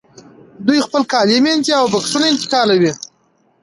دوی خپل کالي مینځي او بکسونه انتقالوي